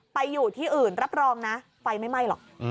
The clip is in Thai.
ไปอยู่ที่อื่นรับรองนะไฟไม่ไหม้หรอก